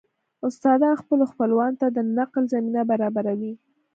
استادان خپلو خپلوانو ته د نقل زمينه برابروي